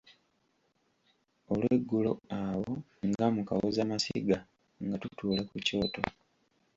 Olweggulo awo nga mu kawozamasiga nga tutuula ku kyoto.